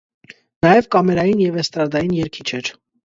Նաև կամերային և էստրադային երգիչ էր։